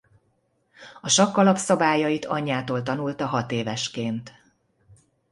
A sakk alapszabályait anyjától tanulta hat évesként.